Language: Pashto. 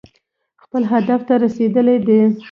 خپل هدف ته رسېدلي دي.